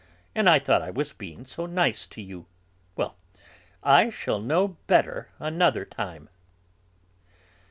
And I thought I was being so nice to you. Well, I shall know better another time!"